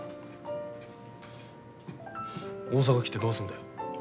大阪来てどうするんだよ。